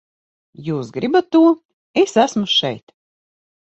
Jūs gribat to, es esmu šeit!